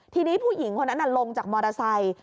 ทีนี้ผู้หญิงคนนั้นลงจากมอเตอร์ไซค์